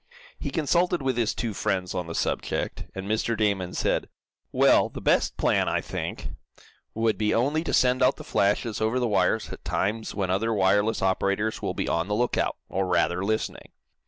He consulted with his two friends on the subject, and Mr. Damon said: "Well, the best plan, I think, would be only to send out the flashes over the wires at times when other wireless operators will be on the lookout, or, rather, listening.